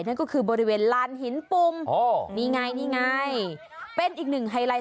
นั่นก็คือบริเวณลานหินปุ่มอ๋อนี่ไงนี่ไงเป็นอีกหนึ่งไฮไลท์